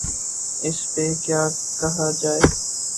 اس پہ کیا کہا جائے؟